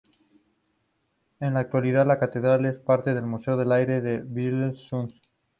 En la actualidad, la catedral es parte del museo al aire libre de Vladímir-Súzdal.